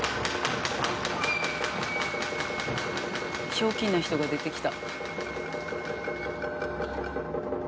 ひょうきんな人が出てきた。